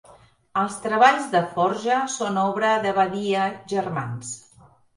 Els treballs de forja són obra de Badia, germans.